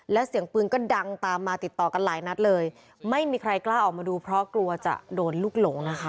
และเสียงปืนก็ดังตามมาติดต่อกันหลายนัดเลยไม่มีใครกล้าออกมาดูเพราะกลัวจะโดนลูกหลงนะคะ